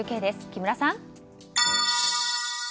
木村さん。